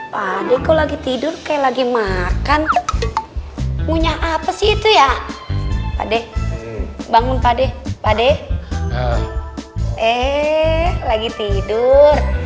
pade kau lagi tidur kayak lagi makan punya apa sih itu ya pade bangun pade pade eh lagi tidur